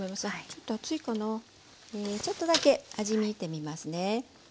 ちょっとだけ味見てみますね。